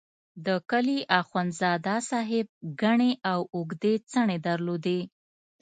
د کلي اخندزاده صاحب ګڼې او اوږدې څڼې درلودې.